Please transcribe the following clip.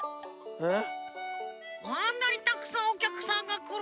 えっ！？